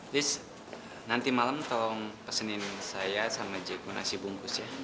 liz nanti malam tolong pesenin saya sama jeku nasi bungkus ya